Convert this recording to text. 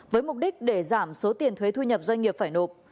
với mục đích để giảm số tiền thuế thu nhập doanh nghiệp phải nộp